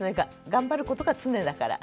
頑張ることが常だから。